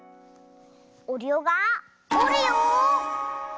おるよがおるよ。